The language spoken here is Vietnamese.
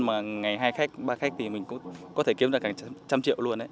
mà ngày hai khách ba khách thì mình cũng có thể kiếm được một trăm linh triệu luôn